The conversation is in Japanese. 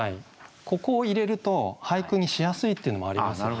ここを入れると俳句にしやすいっていうのもありますよ。